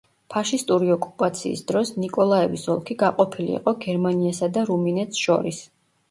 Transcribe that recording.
ფაშისტური ოკუპაციის დროს ნიკოლაევის ოლქი გაყოფილი იყო გერმანიასა და რუმინეთს შორის.